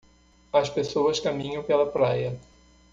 As pessoas caminham pela praia.